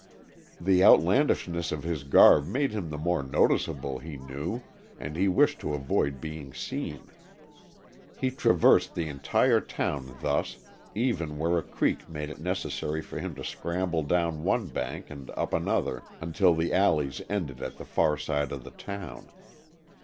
The outlandishness of his garb made him the more noticeable, he knew, and he wished to avoid being seen. He traversed the entire town thus, even where a creek made it necessary for him to scramble down one bank and up another, until the alleys ended at the far side of the town.